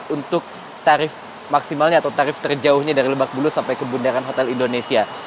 untuk tarif maksimalnya atau tarif terjauhnya dari lemak bulu sampai ke bunda rata indonesia